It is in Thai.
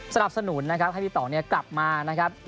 สำหรับสนุนให้พี่ตอลกลับมาโลดแล่นในวงการ